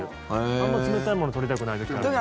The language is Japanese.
あんまり冷たいもの取りたくない時あるんで。